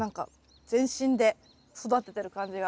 全身で育ててる感じが。